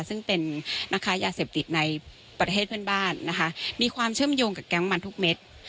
ซึ่งเป็นนะคะยาเสพติดในประเทศเพื่อนบ้านนะคะมีความเชื่อมโยงกับแก๊งมันทุกเม็ด